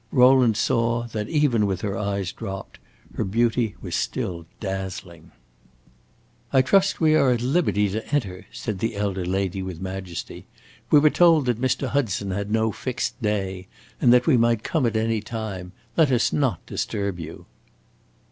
Rowland saw that, even with her eyes dropped, her beauty was still dazzling. "I trust we are at liberty to enter," said the elder lady, with majesty. "We were told that Mr. Hudson had no fixed day, and that we might come at any time. Let us not disturb you."